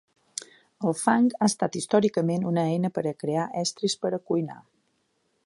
El fang ha estat històricament una eina per a crear estris per a cuinar.